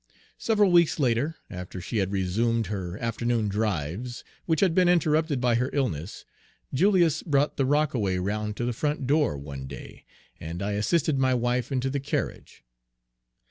Several weeks later, after she had resumed her afternoon drives, which had been interrupted by her illness, Julius brought the rockaway round to the front door one day, and I assisted my wife into the carriage.